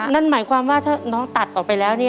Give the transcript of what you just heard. นั่นหมายความว่าถ้าน้องตัดออกไปแล้ว